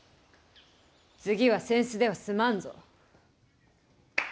次は扇子では済まんぞ。